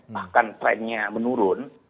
bahkan trendnya menurun